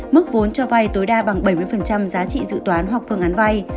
mức vốn cho vay tối đa bằng bảy mươi giá trị dự toán hoặc phương án vay